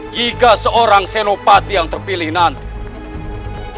jika seorang senopati yang terpilih nanti